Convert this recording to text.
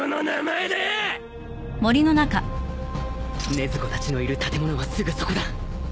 禰豆子たちのいる建物はすぐそこだ